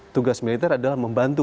tugas militer adalah membantu